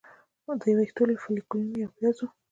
د ویښتو له فولیکونو یا پیازو